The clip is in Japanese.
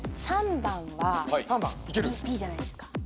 ３番はＢじゃないですか？